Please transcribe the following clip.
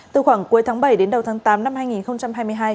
từ khoảng cuối tháng bảy đến đầu tháng tám năm hai nghìn hai mươi hai